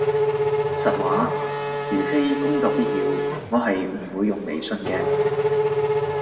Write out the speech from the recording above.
實話，如非工作必要，我係唔會用微信嘅